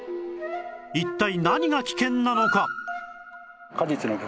一体何が危険なのか？